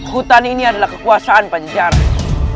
hutan ini adalah kekuasaan penjara